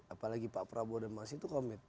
apalagi pak prabowo dan mahasiswa itu komit